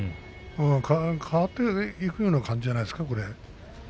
変わっていくような感じじゃないですかね？